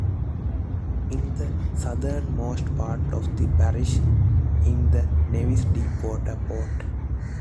In the southernmost part of the parish is the Nevis deep-water port.